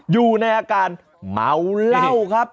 อยู่ในอาการเมาเหล้าครับ